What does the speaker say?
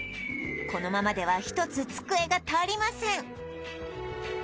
このままでは１つ机が足りません